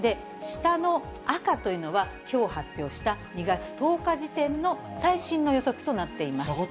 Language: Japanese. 下の赤というのは、きょう発表した２月１０日時点の最新の予測となっています。